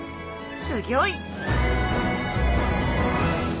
すギョい